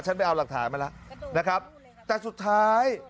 ไปเอาหลักฐานมาแล้วนะครับแต่สุดท้าย